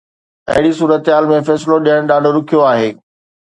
اهڙي صورتحال ۾ فيصلو ڏيڻ ڏاڍو ڏکيو آهي.